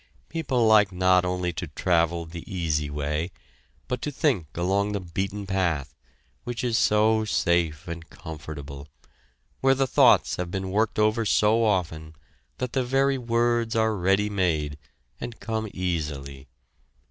People like not only to travel the easy way, but to think along the beaten path, which is so safe and comfortable, where the thoughts have been worked over so often that the very words are ready made, and come easily.